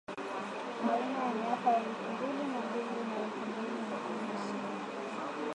Baina ya miaka elfu mbili na mbili na elfu mbili na kumi na nne